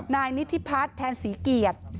นายนิธิพัฒน์แทนศรีเกียรติ